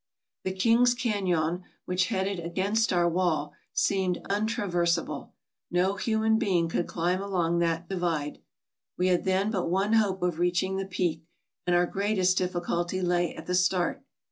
The King's Canon, which headed against our wall, seemed untraversable — no human being could climb along the divide ; we had then but one hope of reaching the peak, and our greatest difficulty lay at the start.